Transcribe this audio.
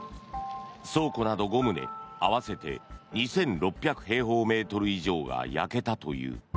倉庫など５棟合わせて２６００平方メートル以上が焼けたという。